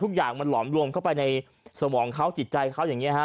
ทุกอย่างมันหลอมรวมเข้าไปในสมองเขาจิตใจเขาอย่างนี้ฮะ